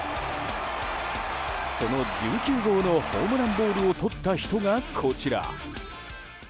その１９号のホームランボールをとった人が、こちら。